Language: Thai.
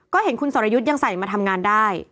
ก็เห็นคุณสรยุทธ์ยังใส่มาทำงานได้